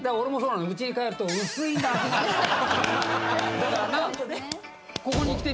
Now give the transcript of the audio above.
だからな？